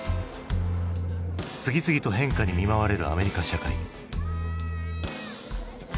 次々と変化に見舞われるアメリカ社会。